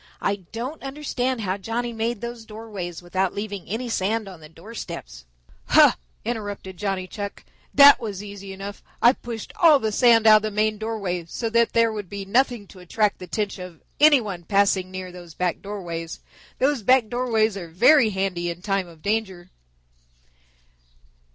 I don't understand how Johnny made those doorways without leaving any sand on the doorsteps." "Huh!" interrupted Johnny Chuck. "That was easy enough. I pushed all the sand out of the main doorway so that there would be nothing to attract the attention of any one passing near those back doorways. Those back doorways are very handy in time of danger."